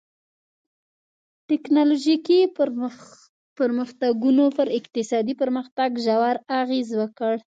ټکنالوژیکي پرمختګونو پر اقتصادي پرمختګ ژور اغېز وکړ.